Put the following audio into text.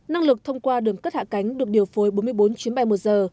năng lực thông qua đường cất hạ cánh được điều phối bốn mươi bốn chuyến bay một giờ